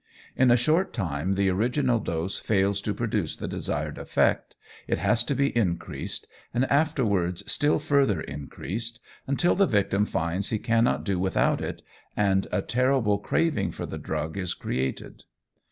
In a short time the original dose fails to produce the desired effect, it has to be increased, and afterwards still further increased, until the victim finds he cannot do without it, and a terrible craving for the drug is created.